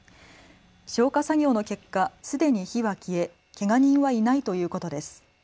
消火作業の結果、すでに火は消えけが人はいないということです。